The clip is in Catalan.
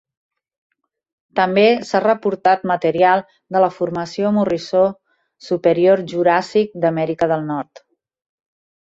També s'ha reportat material de la Formació Morrisó Superior Juràssic d'Amèrica del Nord.